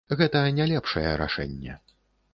Гэта не лепшае рашэнне.